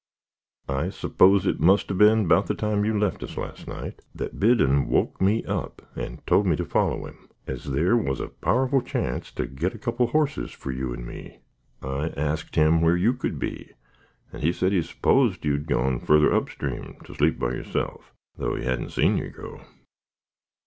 "I s'pose it must have been about the time you left us last night, that Biddon woke me up, and told me to follow him, as there was a powerful chance to get a couple of hosses for you and me. I asked him where you could be, and he said he s'posed you'd gone further up stream to sleep by yourself, though he hadn't seen you go.